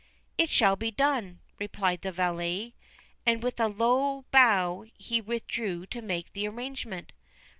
' It shall be done,' replied the valet, and with a low bow he withdrew to make the arrangement.